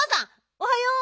おはよう。